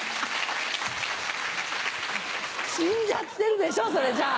死んじゃってるでしょそれじゃ。